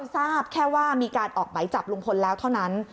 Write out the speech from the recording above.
ทราบแค่ว่ามีการออกไหมจับลุงพลแล้วเท่านั้น